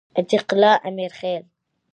عتیق الله امرخیل